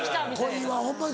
恋はホンマに。